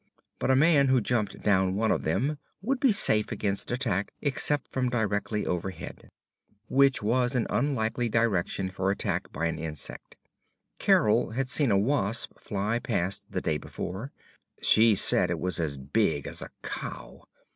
But a man who jumped down one of them would be safe against attack except from directly overhead, which was an unlikely direction for attack by an insect. Carol had seen a wasp fly past the day before. She said it was as big as a cow.